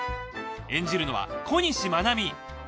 演じるのは小西真奈美。